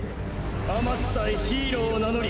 あまつさえヒーローを名乗り！